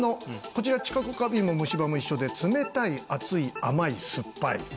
こちら知覚過敏もむし歯も一緒で「冷たい熱い甘い酸っぱい」